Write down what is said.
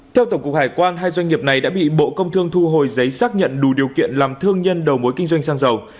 theo tổng cục hải quan hai doanh nghiệp này đã bị bộ công thương thu hồi giấy xác nhận đủ điều kiện làm thương nhân đầu mối kinh doanh xăng dầu